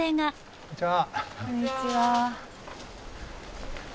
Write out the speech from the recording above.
こんにちは。